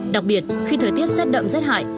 đặc biệt khi thời tiết xét đậm xét hại